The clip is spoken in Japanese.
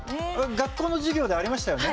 学校の授業でありましたよね？